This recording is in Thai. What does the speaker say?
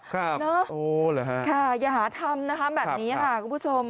ครับโอ้เหรอคะค่ะยาธรรมนะคะแบบนี้ค่ะคุณผู้ชม